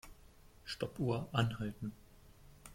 Stoppuhr anhalten.